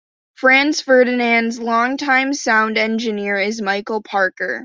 Franz Ferdinand's longtime sound engineer is Michael Parker.